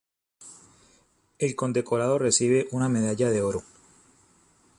El condecorado recibe una medalla de oro.